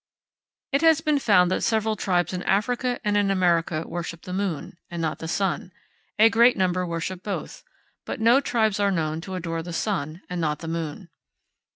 It has been found that several tribes in Africa and in America worship the moon, and not the sun; a great number worship both; but no tribes are known to adore the sun, and not the moon.